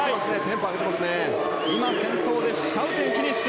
先頭でシャウテンがフィニッシュ。